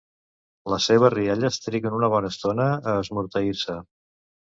Les seves rialles triguen una bona estona a esmorteir-se.